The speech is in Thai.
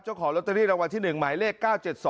เจ้าของลอตเตอรี่รางวัลที่๑หมายเลข๙๗๒